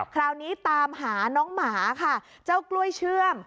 คราวนี้ตามหาน้องหมาค่ะเจ้ากล้วยเชื่อม